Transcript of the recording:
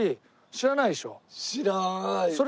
知らない。